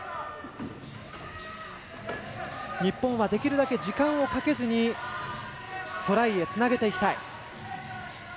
日本はできるだけ時間をかけずにトライでつなげていきたい。